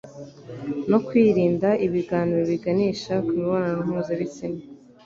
no kwirinda ibiganiro biganisha ku mibonano mpuzabitsina